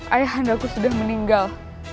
ayah anda aku sudah meninggal